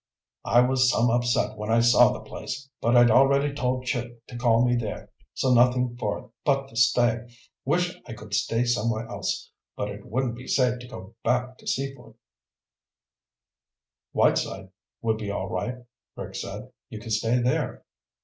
I was some upset when I saw the place, but I'd already told Chick to call me there, so nothing for it but to stay. Wish I could stay somewhere else, but it wouldn't be safe to go back to Seaford." "Whiteside would be all right," Rick said. "You could stay there."